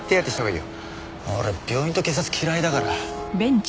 俺病院と警察嫌いだから。